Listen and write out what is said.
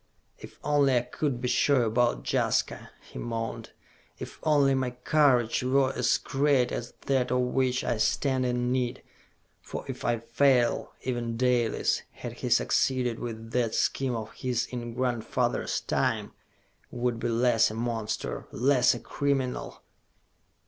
"If only I could be sure about Jaska!" he moaned. "If only my courage were as great as that of which I stand in need! For if I fail, even Dalis, had he succeeded with that scheme of his in grandfather's time, would be less a monster, less a criminal!"